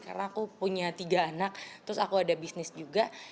karena aku punya tiga anak terus aku ada bisnis juga